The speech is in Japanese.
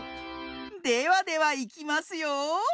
ではではいきますよ。